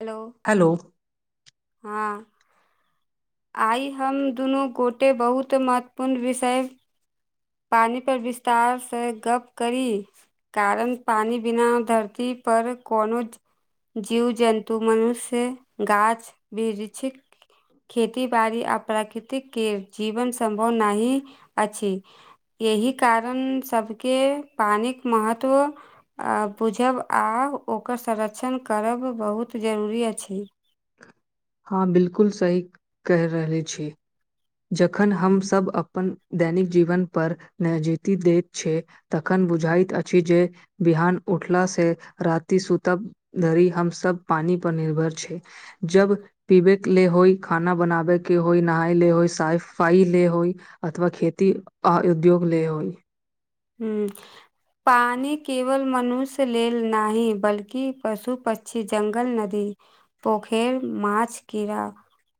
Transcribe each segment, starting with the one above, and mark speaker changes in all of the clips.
Speaker 1: Hello
Speaker 2: hello
Speaker 1: हँ आइ हम दुनू गोटे बहुत महत्वपूर्ण विषय पानी पर विस्तार से गप करी कारण पानी बिना धरती पर कोनो जीव जन्तु मनुष्य गाछ वृक्ष खेती बाड़ी आ प्राकृतिक के जीवन सम्भव नही अछि एहिही कारण सभके पानिक महत्व बुझब आ ओकर संरक्षण करब बहुत जरूरी अछि
Speaker 2: हँ बिलकुल सही कहि रहले छी जखन हमसभ अपन दैनिक जीवन पर नजीति दैत छै तखन बुझाइत अछि जे बिहान उठला से राति सुूतब धरी हम सब पानी पर निर्भर छै जब पीबे के ले होइ खाना बनाबे के होइ नहााय ले होइ साइफाई ले होइ अथवा खेती उद्योग ले होइ
Speaker 1: हू पानि केवल मनुष्य लेल न बल्कि पशु पक्षी जंगल नदी पोखर मछ कीड़ा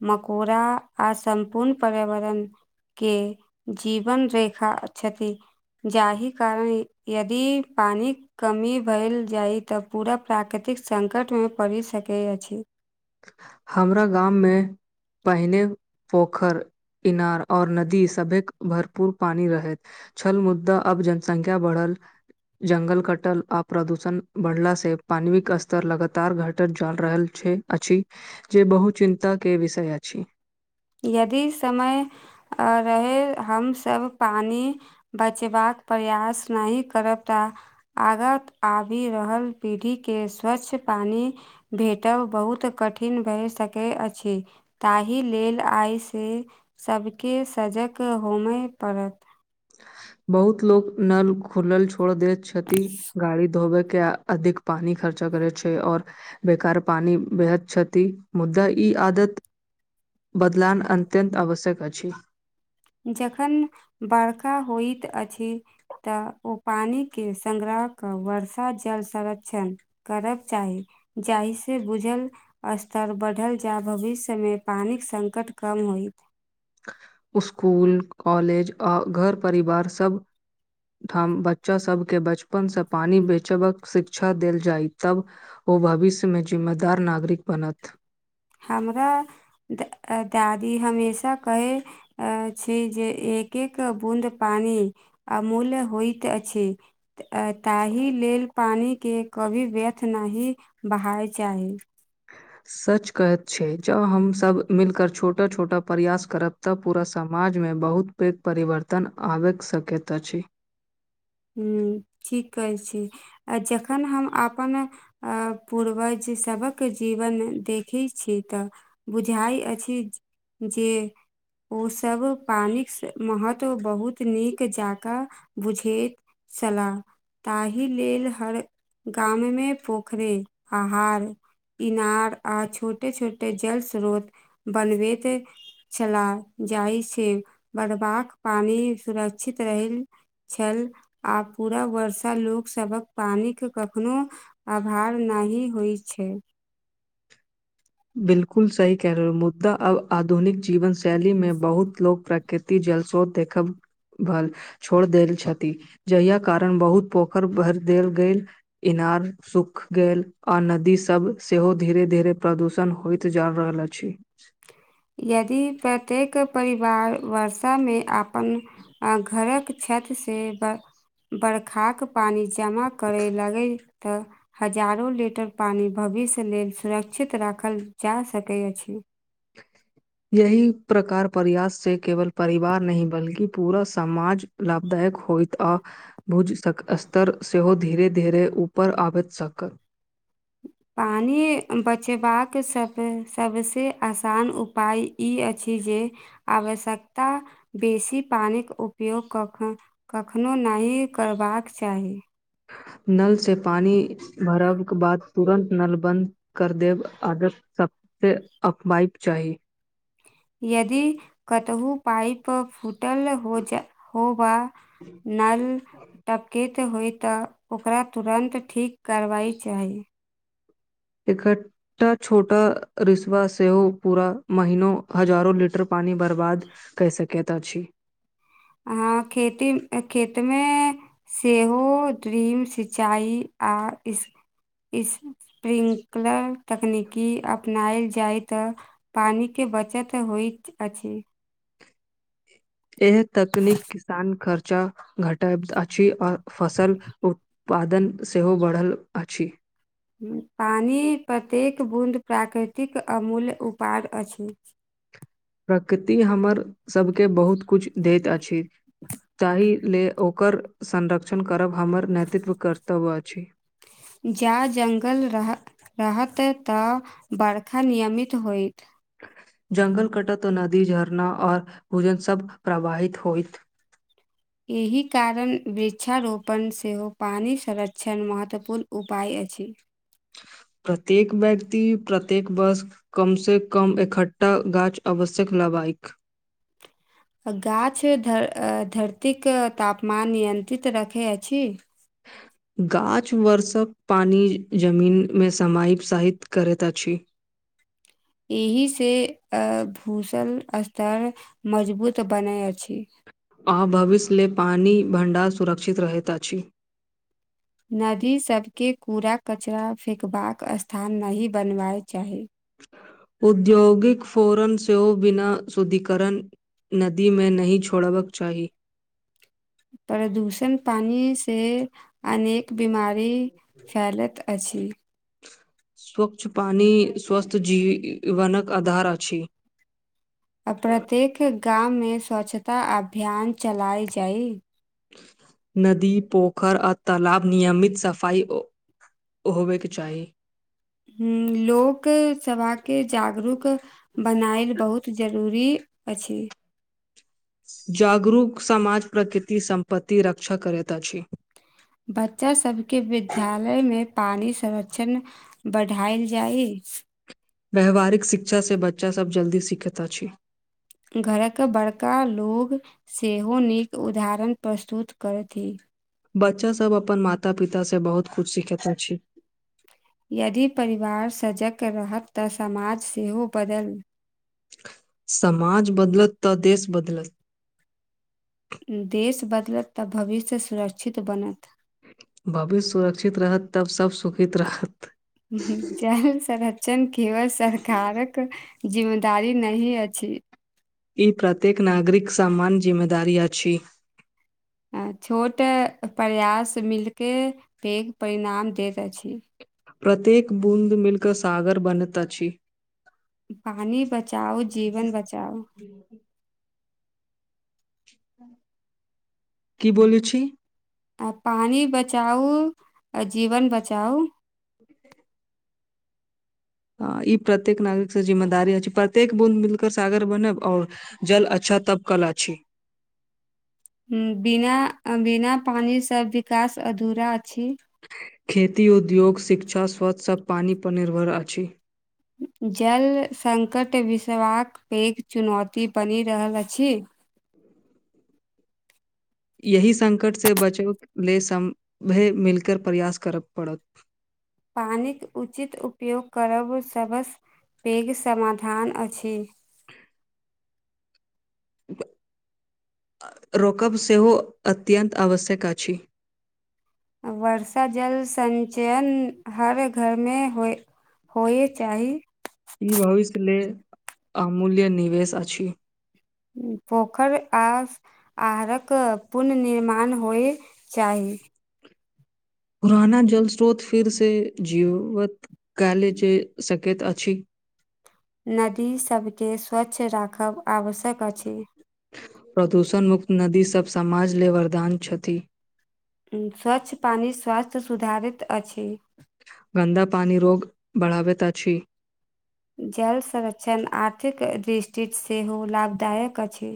Speaker 1: मकोड़ा आर सम्पूर्ण पर्यावरण के जीवन रेखा छथिन जाहि कारण यदि पानि कमी भेल जाइ तऽ पूरा प्राकृतिक सकंटमे पड़ि सकैत अछि
Speaker 2: हमरा गाममे पहिने पोखरि इनार और नदी सभेक भरपूर पानी रहे छल मुद्दा अब जनसंख्या बढ़ल जंगल कटल आ प्रदूषण बढ़ला से पानविक स्तर लगातार घटैत जल रहल छै अछि जे बहु चिन्ताके विषय अछि
Speaker 1: यदि समय रहे हमसब पानि बचबाक प्रयास नहि करब त आगाँ आबि रहल पीढ़ीके स्वच्छ पानि भेटब बहुत कठिन भए सकैत अछि ताहि लेल आइसँ सभके सजग होमय पड़त
Speaker 2: बहुत लोको नल खुलल छोड़ दैत छथि गाड़ी धोबे के अधिक पानि खर्चा करै छै आओर बेकार पानी बेहद छथिति मुद्दा ई आदत बदलान अत्यन्त आवश्यक अछि
Speaker 1: जखन बर्का होइत अछि तऽ ओ पानी के संगग्रह कऽ वर्षा जल संरक्षण करब चाही जाहिसँ बुझल स्तर बढ़ल जा भविष्य मे पानिक संकट कम होइत
Speaker 2: स्कुल कॉलेज आ घर परिवार सबब ठाम बच्चा सबके बचपन से पानी बेचबक शिक्षा देल जाय तब ओ भविष्यमे जिम्मेदार नागरिक बनत
Speaker 1: हमरा दादी हमेशा कहै अ छै जे एक एक बूद पानी अमूल्य होइत अछि ताहि लेल पानिके कभी व्यर्थ नहि बहाय चाही
Speaker 2: सच कहैत छै जँ हमसभ मिलकर छोटा छोटा प्रयास करब तऽ पूरा समाजमे बहुत पैघ परिवर्तन आबि सकैत अछि
Speaker 1: ह ठीक कहै छी आ जखन हम अपन अ पूर्वज सभक जीवन देखैत छीिय तऽ बुझइ अछि जे ओसभ पानिक महत्व बहुत नीक जाके बुझैत चलाक ताहि लेल हर गाममे पोखरे आहार इनार आ छोटे छोटे जल स्रोत बनबैते छला जाइ छै बढ़बाक पानी सुरक्षित रहै छल आ पूरा वर्षा लोकसभक पानिके कखनो आभार नहि होइ छै
Speaker 2: बिलकुल सी कह रहें मुद्दा अब आधुनिक जीवन शैली मे बहुत लोक प्रकट कते जल स्रोत देखब छोड़ देल छथि जहिया कारण बहुत पोखर भर देल गेल इनार सूख गेल आ नदी सब सेहो धीरे धीरे प्रदूषण होइत जा रहल अछि
Speaker 1: यदि प्रत्येक परिवार वर्षा मे आ अपन घरक छत से बरखाक पानी जमा करै लागै तऽ हजारो लीटर पानी भविष्य लेल सुरक्षित राखल जा सकै अछि
Speaker 2: यहि प्रकार प्रयास छै केवल परिवार नहि बल्कि पूरा समाज लाभदायक होयत आ भुज थक स्तर सेहो धीरे धीरे ऊपर आबैत सक
Speaker 1: पानी बचेबाक सब सबसे आसान उपाय ई अछि जे आवश्यकता बेसी पानीक उपयोग कके कखनहुँ नहि करबाक चाही
Speaker 2: नल से पानी भरव के बाद तुरन्त नल बंद कर देब आदत सब से अफवइफ छथि
Speaker 1: यदि कतहुँ पाइप फूटल होज होवा नल टपकैत होइ तऽ ओकरा तुरन्त ठीक कारवाइ चाही
Speaker 2: एकठटा छोटा रिस्वा सेहो पूरा महनो हजारो लीटर पानी बर्बाद कऽ सकैत अछि
Speaker 1: हँ खेती खेत मे सेहो ड्रीम सिंचाइ आ स्प्रिंकलर तकनीकी अपनायल जाय त पानी के बचत होइत अछि
Speaker 2: एहे तकनीक किसान खर्चा घटब अछि आ फसल उत्पादन सेहो बढ़ल अछि
Speaker 1: पानी प्रत्येक बूँद प्राकृतिक अमूल्य उपार अछि
Speaker 2: प्रकृति हमर सब के बहुत कुछ दैत अछि ताहि ले ओकर संरक्षण करब हमर नेतृत्व कर्तव्य अछि।
Speaker 1: जा जंगल रह रहत ता बरखा नियमित होयत
Speaker 2: जंगल कटत तऽ नदी झरना और भोजन सब प्रवाहित होइत
Speaker 1: एहि कारण वृक्षारोपण सेहो पानी संरक्षण महत्वपूर्ण उपाय अछि
Speaker 2: प्रत्येक व्यक्ति प्रत्येक बस ' कम से कम एकठ्ठा गाछ आवश्यक लागायिक।
Speaker 1: गाछ धरतीक तापमान नियन्त्रित रखै अछि।
Speaker 2: [unintelligible] गाछ वर्षक पानी जमीन मे समयिप साहित करैत अछि।
Speaker 1: एहि से अय भूषण स्तर मजबूत बनै अछि
Speaker 2: आ भविष्य लेल पानी भण्डार सुरक्षित रहैत अछि
Speaker 1: नदी सब के कूड़ा कचरा फेेकबाक स्थान नहि बनवा चाही
Speaker 2: औद्योगिक फोरन सेहो बिना शुद्धिकरण नदी मे नहि छोड़बक चाही
Speaker 1: प्रदूषण पानी से अनेक बीमारी फैलैत अछि
Speaker 2: स्वच्छ पानि स्वस्थ जीवनक आधार अछि
Speaker 1: प्रत्येक गाममे स्वच्छता अभियान चलाय जाइ
Speaker 2: नदी पोखरि आ तालाब नियमित सफाइ होबयके चाही
Speaker 1: ह लोक सभा के जागरूक बनायल बहुत जरूरी अछि
Speaker 2: जागरूक समाज प्रकृति सम्पत्ति रक्षा करैत अछि
Speaker 1: बच्चा सबके विद्यालयमे पानि संरक्षण बढ़ायल जाइ
Speaker 2: व्याववहारिक शिक्षासँ बच्चासभ जल्दी सीखैत अछि
Speaker 1: घरक बड़का लो सेहो नीक उदाहरण प्रस्तुत करथि
Speaker 2: बच्चा सब अपन माता पिता से बहुत कुछ सिखेता छै
Speaker 1: यदि परिवार सजक रहत तऽ समाज सेहो बदल
Speaker 2: समाज बदलत तऽ देश बदलत
Speaker 1: देश बदलत तऽ भविष्य सुरक्षित बनत
Speaker 2: भविष्य सुरक्षित रहत तब सब सुखित रहत
Speaker 1: जल संरक्षण केवल सरकारक जिम्मेदारी नहि अछि
Speaker 2: ई प्रत्येक नागरिक सामान्य जिम्मेदारी अछि
Speaker 1: छोट प्रयास मिलके पैघ परिणाम दैत अछि
Speaker 2: प्रत्येक बूँद मिलकऽ सागर बनैत अछि
Speaker 1: पानी बचाओ जीवन बचाओ
Speaker 2: बी की बोले छी
Speaker 1: आ पानि बचाउ आ जीवन बचाउ
Speaker 2: ह ई प्रत्येक नागरिकसँ जिम्मेदारी हो छै प्रत्येक बूद मिलिकरऽ सागर बनब आओर जल अच्छा तब कल अच्छी
Speaker 1: बिना बिना पानी सब विकास अधूरा अछि
Speaker 2: खेती उद्योग शिक्षा स्वच्छ आ पानी पर निर्भर अछि
Speaker 1: जल सङ्कट विसबाक पैघ चुनौती बनि रहल अछि
Speaker 2: यही संकट से बचत लेल सभय मिलकर प्रयास कर पड़त
Speaker 1: पानिक उचित उपयोग करब सबसँ पैघ समाधान अछि
Speaker 2: रोकब सेहो अत्यन्त आवश्यक अछि
Speaker 1: वर्षा जल संचयन हर घरमे होइ होइय चाही
Speaker 2: ई भविष्य लेले अमूल्य निवेश अछि
Speaker 1: पोखरि आ आहारक पुननिर्माण होइ चाही
Speaker 2: पुराना जल स्रोत फेरसँ जीवत कल जे सकैत अछि
Speaker 1: नदीसभके स्वच्छ राखब आवश्यक अछि
Speaker 2: प्रदूषण मुुक्त नदीसभ समाज लेल वरदान छथि
Speaker 1: स्वच्छ पानि स्वास्थ्य सुधारित अछि
Speaker 2: गन्दा पानी रोग बढ़ाबैत अछि
Speaker 1: जल संरक्षण आर्थिक दृष्टिसँ सेहो लाभदायक अछि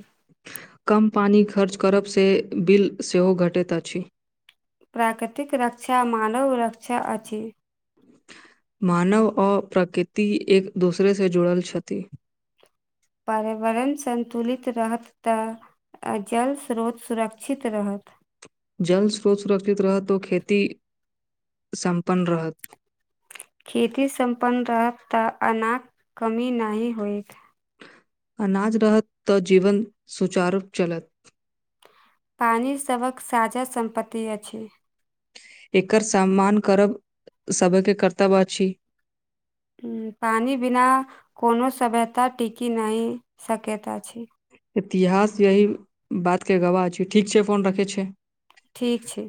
Speaker 2: कम पानि खर्च करब से बिल सेहो घटैत अछि
Speaker 1: प्राकृतिक रक्षा मानव रक्षा अछि
Speaker 2: मानव अ प्रकृति एक दोसरेसँ जुड़ल छथि
Speaker 1: पर्यावरण संन्तुलित रहत तऽ आ जल स्रोत सुरक्षित रहत
Speaker 2: जल स्रोत सुरक्षित रहत त ओ खेती सम्पन्न रहत
Speaker 1: खेती संपन्न रहतऽ अनाज कमी नहि होइतऽ
Speaker 2: अनाज रहत तऽ जीवन सुचारू चल तऽ
Speaker 1: पानी सभक साझा सम्पत्ति अछि
Speaker 2: एकर सम्मान करब [inaudible] सबकेँ कर्तव्य अछि
Speaker 1: हु पानि बिना कोनो सभ्यता टिकी नहि सकता अछि
Speaker 2: इतिहास यही बातकेँ गवाह छै ठीक छै फोन रखै छै
Speaker 1: ठीक छै